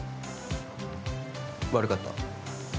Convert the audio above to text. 悪かった。